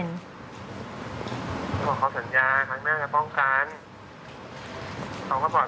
โทษครับ